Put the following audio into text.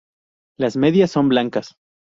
Las medias son blancas.